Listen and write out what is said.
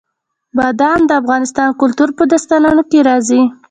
بادام د افغان کلتور په داستانونو کې راځي.